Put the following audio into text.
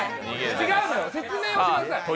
違うのよ、説明をしてください。